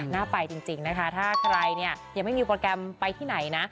น่าไปจริงนะคะถ้าใครเนี่ยยังไม่มีโปรแกรมไปที่ไหนนะ